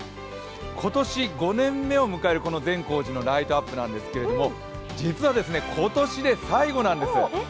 今年５年目を迎える善光寺のライトアップなんですけれども実は今年で最後なんです。